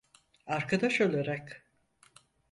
Arkadaş olarak.